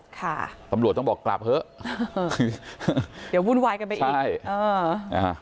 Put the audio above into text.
ค่ะตำรวจต้องบอกกลับเถอะเดี๋ยววุ่นวายกันไปอีกใช่เอออ่า